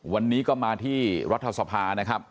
วันนี้ก็มาที่รัฐสภานะครับ